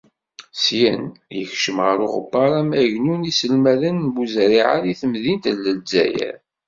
Syin, yekcem ɣer Uɣerbar Amagnu n Yiselmaden n Buzarriεa deg temdint n Lezzayer.